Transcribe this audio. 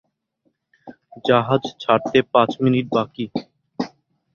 জাহাজ ছাড়তে পাঁচ মিনিট বাকি!